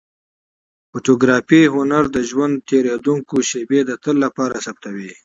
د فوتوګرافۍ هنر د ژوند تېرېدونکې شېبې د تل لپاره ثبتوي.